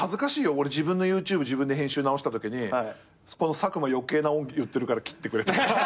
俺自分のＹｏｕＴｕｂｅ自分で編集直したときにこの佐久間余計なオン言ってるから切ってくれとか。